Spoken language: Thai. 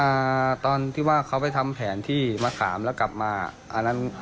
อ่าตอนที่ว่าเขาไปทำแผนที่มะขามแล้วกลับมาอันนั้น